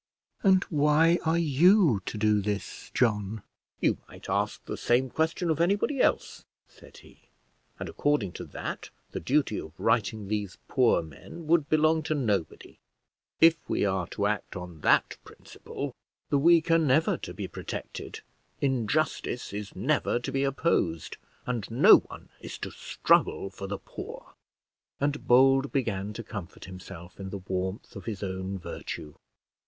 "And why are you to do this, John?" "You might ask the same question of anybody else," said he; "and according to that the duty of righting these poor men would belong to nobody. If we are to act on that principle, the weak are never to be protected, injustice is never to be opposed, and no one is to struggle for the poor!" And Bold began to comfort himself in the warmth of his own virtue.